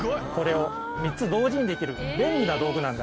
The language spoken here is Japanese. これを３つ同時にできる便利な道具